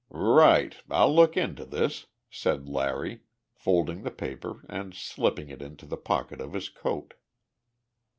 "Right! I'll look into this," said Larry, folding the paper and slipping it into the pocket of his coat.